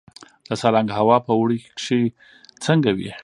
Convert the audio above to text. د سالنګ هوا په اوړي کې څنګه وي؟